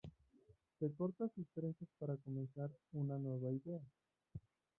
Se corta sus trenzas para comenzar una nueva vida.